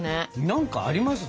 何かあります？